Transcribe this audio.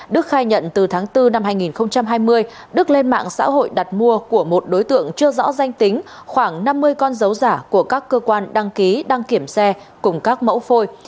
đức khai nhận từ tháng bốn năm hai nghìn hai mươi đức lên mạng xã hội đặt mua của một đối tượng chưa rõ danh tính khoảng năm mươi con dấu giả của các cơ quan đăng ký đăng kiểm xe cùng các mẫu phôi